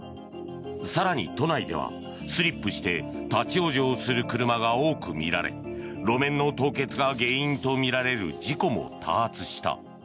更に都内ではスリップして立ち往生する車が多く見られ路面の凍結が原因とみられる事故も多発した。